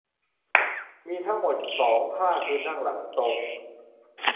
มีทั้งหมด สอง ท่า คือ นั่งหลังตรง